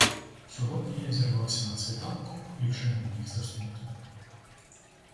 Сьогодні я зірвався на світанку і вже не міг заснути.